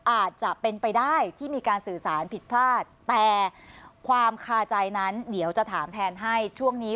อาจจะเป็นไปได้ที่มีการสื่อสารผิดพลาดแต่ความคาใจนั้นเดี๋ยวจะถามแทนให้ช่วงนี้